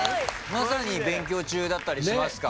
まさに勉強中だったりしますか？